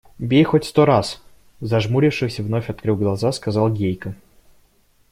– Бей хоть сто раз, – зажмурившись и вновь открывая глаза, сказал Гейка.